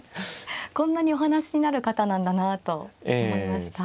こんなにお話しになる方なんだなと思いました。